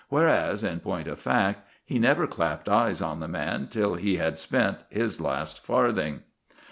Whereas, in point of fact, he never clapped eyes on the man till he had spent his last farthing.